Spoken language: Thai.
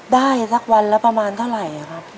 ได้สักวันละประมาณเท่าไหร่ครับ